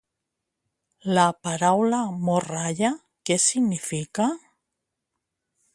La paraula morralla, què significa?